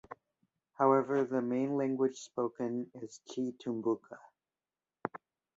However the main language spoken is chiTumbuka.